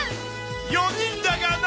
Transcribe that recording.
４人だがな！